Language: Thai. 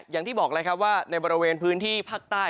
อย่างที่บอกเลยครับว่าในบริเวณพื้นที่ภาคใต้